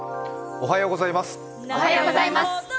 おはようございます。